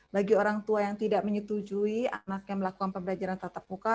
bagi orang tua yang tidak menyetujui anak yang melakukan pembelajaran tatap muka